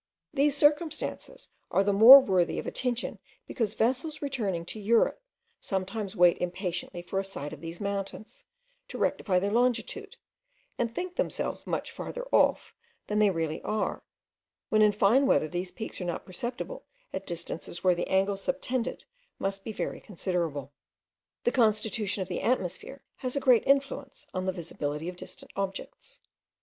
These circumstances are the more worthy of attention because vessels returning to Europe, sometimes wait impatiently for a sight of these mountains, to rectify their longitude; and think themselves much farther off than they really are, when in fine weather these peaks are not perceptible at distances where the angles subtended must be very considerable. The constitution of the atmosphere has a great influence on the visibility of distant objects.